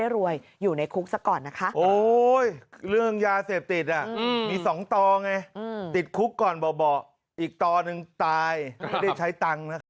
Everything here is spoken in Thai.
อีกตอนหนึ่งตายไม่ได้ใช้ตังค์นะครับ